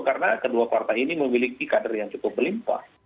karena kedua partai ini memiliki kader yang cukup berlimpah